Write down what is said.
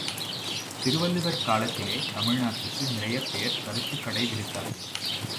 திருவள்ளுவர் காலத்திலே தமிழ்நாட்டிலே நிறையப் பேர் கருத்துக் கடை விரித்தார்கள்.